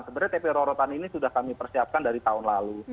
sebenarnya tp rorotan ini sudah kami persiapkan dari tahun lalu